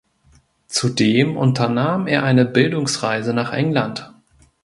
Zudem unternahm er eine Bildungsreise nach England.